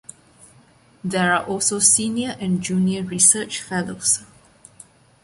There are also Senior and Junior Research Fellows.